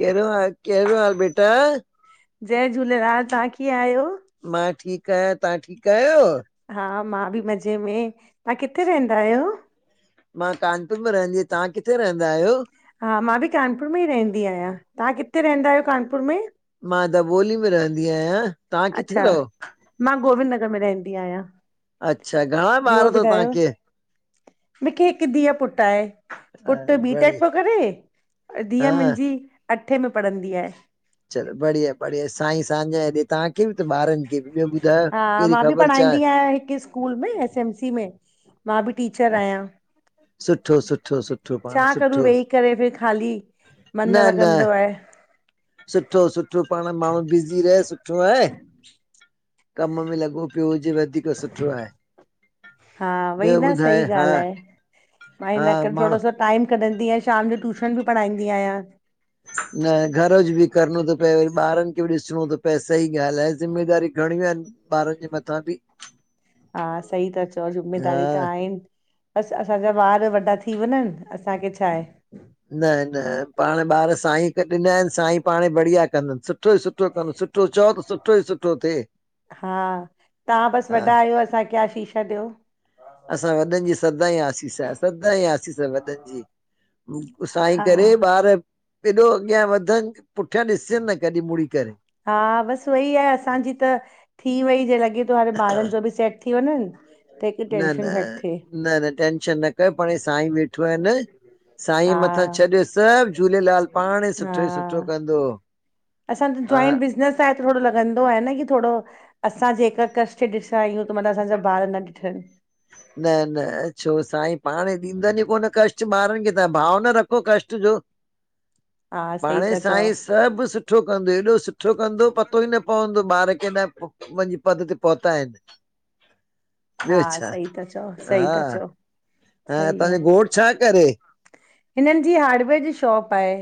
कहिड़ो हाल कहिड़ो हाल बेटा? जय झूलेलाल तव्हां कीअं आहियो? मां ठीक आहियां तव्हां ठीक आहियो? हा मां बि मज़े में तव्हां किथे रहंदा आयो? मां कानपुर में रहंदी आहियां तव्हां किथे रहंदा आहियो? हा मां बि कानपुर में ई रहंदी आहियां तव्हां किथे रहंदा आहियो कानपुर में? मां दबोली में रहंदी आहियां। तव्हां किथे अच्छा रहो? मां गोविंद नगर में रहंदी आहियां। अच्छा घणा ॿार तव तव्हांखे? मिंखे हिक धीय पुट आहे। हा, पुट बी टेक बढ़िया प्यो करे धीअ हा मुंहिंजी अठे में पढ़ंदी आहे। चलो बढ़िया बढ़िया साईं सांन्या ॾे तव्हांखे बि त ॿारन खे बि। ॿियो ॿुधायो हा कहिड़ी मां बि ख़बर छा आहे? पढ़ाईंदी आहियां हिकु स्कूल में एस एम सी में मां बि टीचर आहियां। सुठो सुठो सुठो पाण छा करूं सुठो वेही करे फिर ख़ाली मन न न लॻंदो आहे। सुठो सुठो पाण माण्हू बिज़ी रहे सुठो आहे कम में लॻो पियो हुजे वधीक सुठो आहे। हा वई ॿियो न सही ॿुधाए हा ॻाल्हि आहे मां हा हिन करे माण्हू थोरो सो टाइम कढंदी आहियां शाम जो टूशन बि पढ़ाईंदी आहियां। न घर जो बि करिणो थो पए वरी ॿारनि खे बि ॾिसणो थो पए सही ॻाल्हि आहे ज़िमेदारी घणियूं आहिनि। ॿारनि जे मथां बि हा सही त चओ हा जिम्मेदारी त आहिनि। ॿसि असांजा ॿार वॾा थी वञनि असांखे छा आहे। न न पाण ॿार साईं त ॾिना आहिनि साईं पाण बढ़िया कंदुनि। सुठ सुठो ई सुठो कनि सुठो चओ त सुठो ई सुठो थिए। हा तां बस हा वॾा आयो असांखे आशिषा ॾियो। असां वॾनि जी सदा ई आसींस आ सदा ई आसींस आ वॾनि जी। साईं हा करे ॿार एॾो अॻियां वधन क पुठियां ॾिसनि न कॾहिं मुड़ी करे। हा बसि उई आहे असांजी त थी वई जे लॻे थो हरे ॿारनि जो बि सेट थी वञनि। त हिकु न न टेंशन घटि थिए न न टेंशन न कर पाणे साईं वेठो आहे न। साईं हा मथां छॾ सभ झूलेलाल पाणे सुठो ई सुठो कंदो। असां जो हा जॉइंट बिज़नेस आहे त थोडो लॻंदो आहे न कि थोड़ो। असां जेका कष्ट ॾिसां आहियूं त मना असांजा ॿार न ॾिठनि। न न छो साईं पाण ॾींदनि ई कोन कष्ट ॿारनि खे तव्हां भाव न रखो कष्ट जो। [inaudible] सही पाणे था चओ साईंस सभु सुठो कंदो एॾो सुठो कंदो पतो ई न पवंदो ॿार के न वञी पद ते पहुता आहिनि। हा ॿियो छा सही त चओ सही त चओ। हअ सही त्वाजो ॻोट छा करे। हिनन जी हार्डवेयर जी शॉप आहे।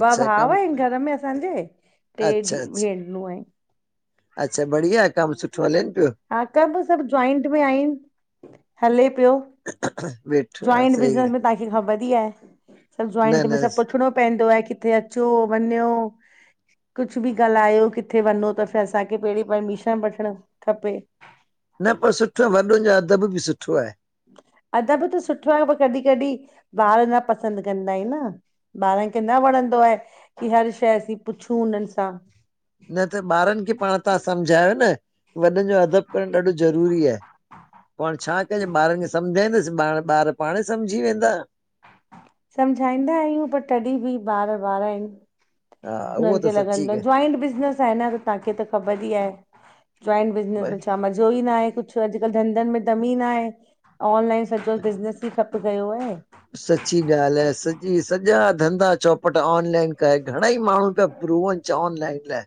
ॿ ॿाअ कम आहिनि घर में असांजे टे अच्छा दी अच्छा भेनरु आहिनि। अच्छा बढ़िया आहे, कमु सुठो हलेनि पियो हा कब सभु जॉइंट में आहिनि हले पियो। वेठो हा जॉइंट सही बिज़नेस आहे में तांखे ख़बर ई आहे न जॉइंट में न सभ पुछणो पइदो आहे कि हुते अचो वञो कुझ बि ॻाल्हायो किथे वञो त असांखे पहिरीं परमिशन वठण खपे। न पो सुठो वॾनि जो अदब बि सुठो आहे। अदब त सुठो आहे पर कॾहिं कॾहिं ॿार न पसंद कंदा आहिन न। ॿारन खे न वणंदो आहे की हर शइ असीं पुछूं उनन सां। न त ॿारन खे पाण तां सम्झायो न वॾन जो अदब करण ॾाढो ज़रूरी आए। पो हाणे छा कजे ॿारनि खे सम्झाईंदस ॿार ॿार पाणे सम्झी वेंदा। सम्झाईंदा आहियूं पर तॾहिं बि ॿार ॿार आहिनि। हा उहो हुननि खे त सची लॻंदो जॉइंट बिज़नेस हन् तांखे त ख़बर हि आहे जोइन्ट बिजनेस ॻाल्हि में छा मज़ा ज़ो ई न आहे कुझ अॼुकल्ह धंधनि में दम इ ना आहे। ऑनलाइन सॼो बिज़नेस ई ठप कयो आहे। सची ॻाल्हि आहे सॼी सॼा धंधा चौपट ऑनलाइन कये घणई माणून त प्रूव अन चवन ऑनलन लाइ।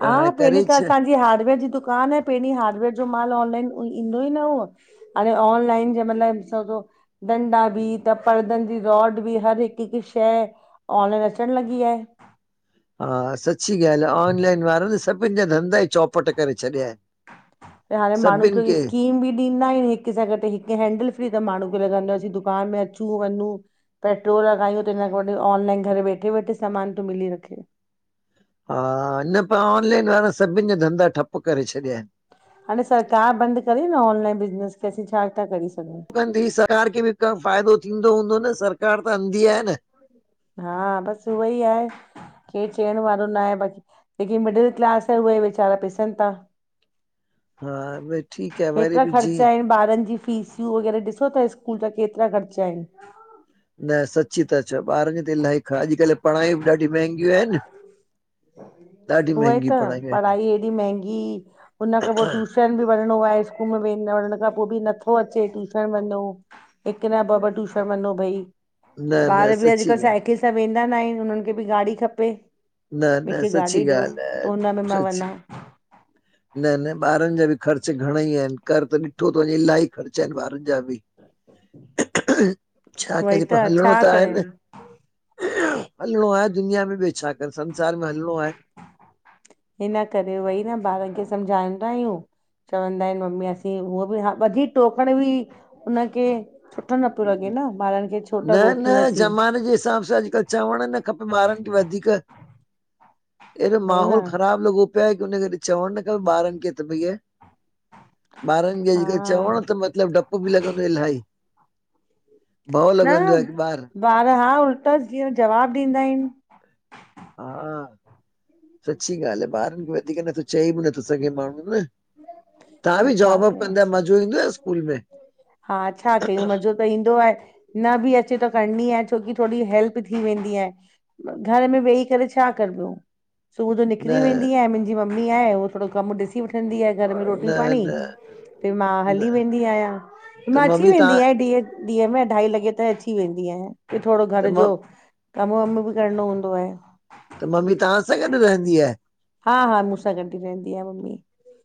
पर हा हाणे पहिरीं करे त छा असां हार्डवेयर जी दुकान आहे पहिरीं हार्डवेयर जो माल ऑनलाइन ईंदो ई न हो। हाणे ऑनलाइन जे [unintelligible] डंडा बि त परदनि जी रोड बि हर हिकु हिकु शइ ऑनलाइन अचण लॻी वया आयन। हा सची ॻाल्हि आहे ऑनलाइन वारन सभिनि जा धंधा ई चौपट करे छॾिया आयन। हाणे माण्हू खे स्कीम बि ॾींदा आहिनि हिक सां गॾ हिक हेैंडल फ्री त माणुन लॻंदो आ असीं दुकान में अचूं वञूं। पेट्रोल लॻाययूं त हिन खां ऑनलाइन घर वेठे वेठे सामान तूं मिली रखे। हा न पर ऑनलाइन वारा सभिनि जा धंधा ठप करे छॾिया आयन। हाणे सरकार बंद करेे न ऑनलाइन बिज़नेस के असीं छा था करेी सघूं। अन्धी सरकार खे बि का फ़ाइदो थींदो हूंदो न सरकार त अंधी आहे न। हा बस उहई आहे केर चइण वारो न आये बाक़ी जेके मिडिल क्लास आये उये वैचारा पिसन था। हा भई ठीकु आहे वरी हेतिरा बि जीअं ख़र्चा आहिनि ॿारनि जी फीसियूं वग़ैरह ॾिसो ता स्कूल जा केतिरा ख़र्चा आहिनि। न सची त चों ॿारनि जी त इलाही खा अॼुकल्ह पढ़ाइूं बि ॾाढी महांगियूं आहिनि ॾाढी उ ई महांगी त पढ़ायूं आहिनि पढ़ाई एॾी महंगी हुन खां पोइ टू ट्यूशन बि वञिणो आहे स्कूल में वें वञण खां पोइ बि नथो अचे ट्यूशन वञो हिकु न बाबा टूषण मञो भई न न बार बि सची अॼकल्ह ॻाल्हि साइकिल त वेंदा न आहिनि उन्हनि खे बि गाॾी खपे। न न मूंखे सची गाॾी ॾियो ॻाल्हि त आहे हुन में मां सच वञा न न ॿारनि जा बि ख़र्च घणा ई आहिनि कर त ॾिठो थो वञे इलाही ख़र्च आहिनि ॿारनि जा बि [inaudible] छा उहोई कजे पोइ हलणो छा त आहे न। कयनि हलणो आहे दुनिया में ब्यो छा कर संसार में हलणो आहे। हिन करे वई न ॿारनि खे सम्झाईंदा आहियूं। चवंदा आहिनि मम्मी असीं उअ वधिक टोकण बि हुनखे सुठो न पियो आहे लॻे न ॿारनि खे छो न त न रोकियसीं। जे ज़माने हिसाब सां आॼुकल चवणु न खपे ॿारनि खे वधीक अएॾो वई माहौल न ख़राबु लॻो पिया की हुनन करे चवणु न ख ॿारनि खे त भईया ॿारनि खे अॼुकल्ह हा चवण त मतिलबु डपु बि लॻंदो इलही भव न लॻंदो आहे की ॿार ॿार हा उल्टस जीअं जवाब ॾींदा आहिनि। हा सची ॻाल्हि आहे ॿारनि खे वधीक नथो चए बि नथो े माण्हू न तव्हां त बि छा जॉब वॉब कयूं कंदा मज़ो ईंदो आहे स्कूल में? हा छा कयूं मजो त ईंदो आहे न बि अचे त करणी आहे छोकी थोरी हेल्प थी वेंदी आहे। घर में वेही करे छा करबो? सुबुह जो न निकिरी वेंदी आ मुंहिंजी मम्मी आहे उहो थोरो कमु ॾिसी वठंदी आहे। घर में रोटी न पाणी न ते मां न हली वेंदी आहया, त मां अची मम्मी वेंदी तव्हां आयां डिंह! ॾींह में अढाई लगे ताई अची वेंदी आयां ब्यो थोड़ो त घर म जो कम, वम बि करणो हूंदो आए। त मम्मी तहां सां गॾ रहंदी आ। हा-हा मूसां गॾ ई रहंदी आ मम्मी,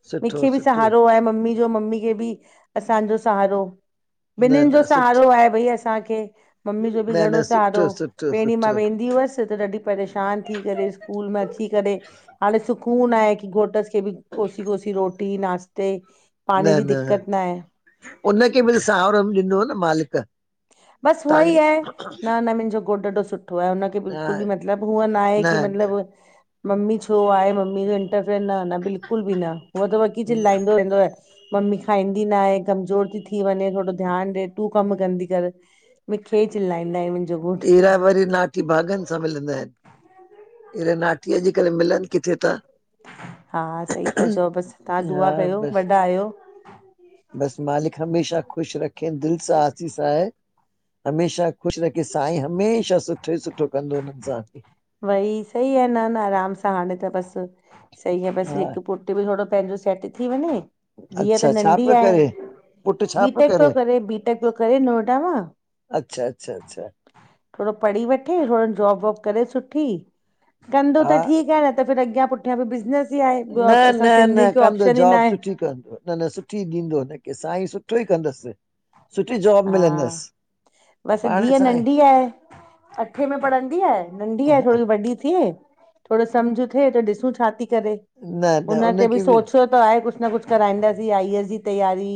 सुठो मिख़े बि सुठो सहारो आहे मम्मी असाजो मम्मी खे बि असां जो सहारो, न ॿिनिन जो न सहारो सुठो आहे भई असां खे। मम्मी जो बि न न घणो सहारो सुठो सुठो पेरीं मां सुठो वेंदी हुअस त ॾाढी परेशान थी करे स्कूल मा अची करे हाणे सुकून आहे की घोटस ख़े बि कोसी-कोसी रोटी, नास्ते! न-न उनखें भी सावरन ॾींदों न मालिक। बस तव्हांजे वई ऐ, न-न मुहिंजो घोट ॾाढो सुठो आहे हूंन ख़े बिल्कुल बि मतलब हूअ न आहे की मतलब मम्मी छो आहे! मम्मी जो इंटरफ़ेयर न, न बिल्कल बि न हूअ त बल्क़ी चिल्लाईं दो रहंदो आए। मम्मी खाईंदी ना आहे कमज़ोर ती थी वञे थोड़ो ध्यान ॾे, तू कम कंदी कर, मूखे ई चिल्लाईंदा मुन्ज़ो घोट! ऐरा वरी नाथ़ी भागन सां मिलंदा आयेन। ऐऱा नाथ़ी अॼकल मिलन किथे तां। हा सही ता चओ बस, तहां हा दुआ कयो वॾा आहयो। बस मालिक हमेशा ख़ुश रखें न, दिल सां आसीसा आहे! हमेशा ख़ुश रखे साईं हमेशा सुठो ई सुठो कंदो हुनन सां अॻे। वई सही आ न-न आराम सां हाणे त बस सही आह बस हा हिक़ पु उते बि थोड़ो पहिंजो सेट थी वञें! धीअ त अच्छा छा नंढी पियो आह, करे पुटु छा बी पियो टेक प्यो करे बी टेक प्यो करे नोएडा मां! अच्छा, अच्छा, अच्छा। थोड़ो पढ़ी वठे, थोड़ो ज़ाॅब-वॉब करे सुठी कंदो हा त ठीक आ न त फ़िर अॻया पुठ्या बि बिज़नेस ई आहे ॿियो न, न, असां न सिंधियुनि खे कंदो ऑप्शन ई न ज़ाॅब आहे सुठी कंदूव! न-न सुठी दिंदो हुनखे साईं सुठो ई कंदस। टाॅप मिलन दस। बस धीअ नंढी आए! अठे में पढ़ंदी आए नंढी आए थोड़ो सो वॾी थे। थोड़ो सम्झ थे, त ॾिसू छा ती करे न न ऊंन खे बि उनखे सोच च्यों त आहे कुछ न कुछ कराईं दासीं, आई एस जी तैयारी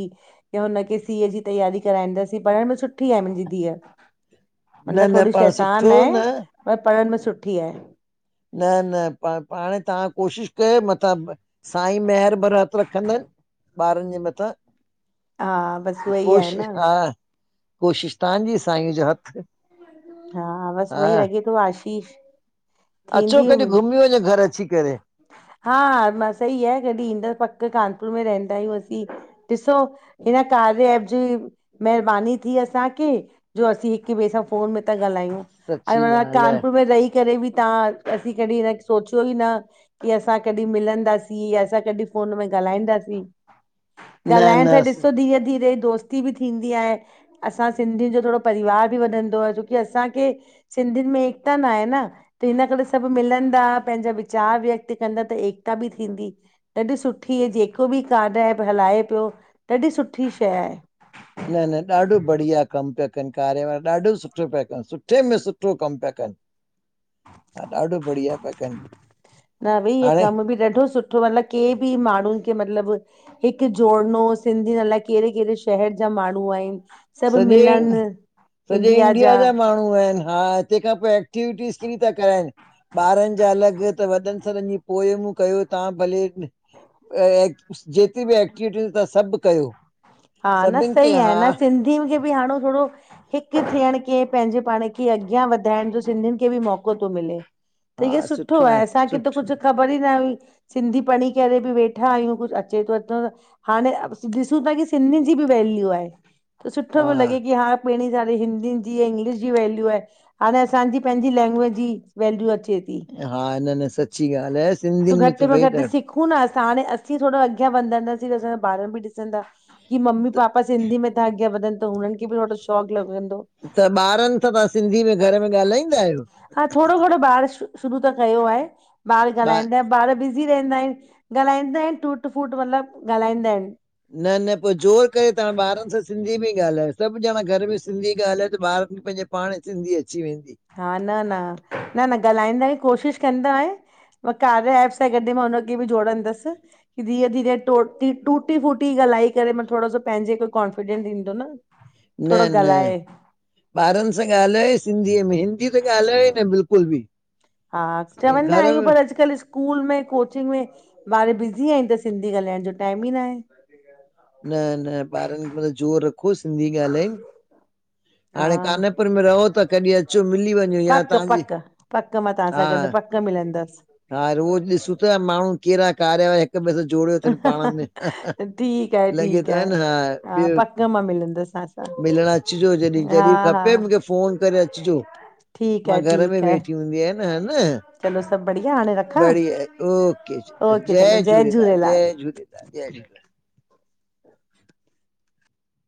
या हुनखे सी ए जी तैयारी कराईं दासीं, पढ़ण में सुठी आहे मुहिंजी धीअ, न मतलब न थोड़ी पाण श़ैतान सुठो हें। न पर पढ़ण में सुठी आहे! न-न प-पाण तहां कोशिश कये मत्ता ब साईं मेहेर भर हथ रखंदन ॿारन जे मथां। हा बसि उहा ई आहे कोशिश न हा, कोशिश तहां जी सांई जो हथ! हा, बस वही लगे तो आशिष अचो कॾहि घुमी वंञो घर अचीं करे। हा-हा म सही आहे कॾहिं ईंदस पक़ कानपुर में रहंदा आयूं असीं। ॾिसो हिंन कार्य एप जी मेहेरबानी थी असां के जो असीं हिक़ ॿे सां फ़ोन में त ॻालायूं, अरे सची भला ॻाल्हि आहे कानपुर में रही करे बि तहां असीं कॾहिं हिनक़ सोचयो ई न की असां कॾीं मिलन दासीं या असां कॾीं फ़ोन में ॻालाईं दासीं। न ॻाल्हाइण त न ॾिसो धीरे धीरे ई दोस्त [unintelligible] बी थींदी आहे असां सिंधिन जो थोडो परिवार बी वधंदो आहे। छोकी असांखे सिंधिन में एकता नाए न। त हिन करे सभ मिलंदा पंहिंजा विचार व्यक्त कंदा त एकता बी थींदी। ॾाढी सुठी हे जेको बि कार्य एप हलाए पयो ॾाढी सुठी शय आहे। न न ॾाढो बढ़िया कम पया कन कार्य वारा ॾाढो सुठो पया कन सुठे में सुठो कम पया कन। [inaudible] हा ॾाढो बढ़िया पया कन न भई इह कम बी ॾाढो सुठो आ। मतलब केंह बी माण्डू खे मतलब हिक जोरनो सिंधियन अलाए केहड़े -केहड़े शहर जा माण्डू आहिन सॾे सॾे इंडिया जा माण्डूं सुठो वयुन। हा हा तंहिंखां [unintelligible] था कराइन। ॿारन जा अलॻ त वॾन सॾनि जी पोयमूं कयो तव्हां भले एं जेतरी बी एक्टिविटी तव्हां सभ कयो। हा न सभिनि खे सही आहे हा न सिंधियुन खे बी हाणें थोडो हिक थियंण के पंहिंजे पाण खे अॻियां वधाइण जो सिंधिन खे बी मौको तो मिले। त इहो सुठो आहे असांखे त कुछ ख़बर ई न हुई। सिंधी पढ़ी करे बी वेठा आहयूं। कुछ अचे त अथव। त हाणें ॾिसूं था की सिंध जी बी वेल्यू आहे। सुठोे पयो लॻे की हा पहिरीं सारीे हिंदिन जी इंग्लिश जी वैल्यू आहे। हाणें असांजी पेंहजी लैंग्वेज जी वैल्यू अचे ती हा न न सच्ची ॻाल्ह आहे सिंधिनि में त भई सिखु न असां हाणे असीं थोडो अॻयां वधंदासीं त असांजा ॿार बी ॾिसंदा की मम्मी पापा सिंधी में था अॻयां वधन त हुनन खे बी थोडो शा लॻयो हुंदो। त ॿारनि सां तव्हां सिंधी में घर में ॻाल्हाईंदा आहियो हा थोडो घंणो ॿाहर शुरू त कयो आहे। ॿार ॿा ॻाल्हाईंदा ॿार बिज़ी रहंदा आहिन ॻाल्हाईंदा आहिनिटूट फूट मतलब ॻाल्हाईंदा आहिन। न न पो जोर करे तव्हां ॿारन सां सिंधी बी ॻाल्हायो सभ ॼणा घर में सिंधी ॻाल्हायो त ॿार खे पंहिंजे पांण सिंधी अची वेंदी। हा न न न न ॻाल्हाईंदा ई कोशिश कंदो आहे और कार्य एप सां गॾु मां हुन खे बी जोड़ंदस की धीरे -धीरे टुटी फूटी ॻाल्हाए करे मतलब थोडो सो पंहिंजे खे कॉन्फिडेंस ईंदो न। न थोरो -न ॻाल्हाए ॿारन सां ॻाल्हायो सिंधीअ में हिंदी त ॻाल्हायो न बिल्कुल बी हा चवंदा आहियूं पर अॼुकल्ह स्कूल में कोचिंग में ॿार बिज़ी आहिन त सिंधी ॻाल्हाइण जो टाइम ई नाए। न न ॿारन जे मथों ज़ोर रखो सिंधी ॻाल्हाए हा हाणें कानेपुर में रहो त कॾहिं अचो मिली वञो या पक तव्हांजी हा पक्क मिलंदस। हा रोज़ ॾिसूं था माण्डू केहड़ा कार्य हिक ॿे सां जोड़ियो तन पांण में ठीकु आहे लॻे ठीकु थो आहे न हा हा ॿियो पक मां मिलंदसि तव्हां मिलंण अचजो जॾहिं सां हा जॾहिं हा खपे मूंखे फोन करे अचजो ठीकु मां आहे घर में ठीकु आहे वेठी हूंदी आ न हन चलो सब बढिया हांणे बड़िया ओके चलो जय जय झूलेलाल जय झूलेलाल जय झूलेलाल